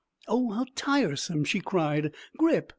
"Oh, how tiresome!" she cried. "Grip!